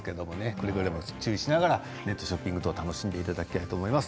くれぐれも注意しながらネットショッピングを楽しんでいただきたいと思います。